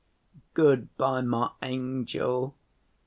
"Good‐by, my angel.